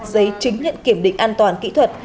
giấy chứng nhận kiểm định an toàn kỹ thuật